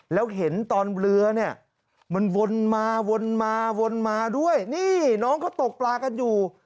แล้วเห็นตอนเรือเนี่ยมันวนมาวนมาวนมาด้วยนี่น้องเขาตกปลากันอยู่